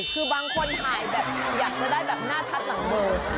คือบางคนถ่ายแบบอยากจะได้แบบหน้าชัดหลังเบอร์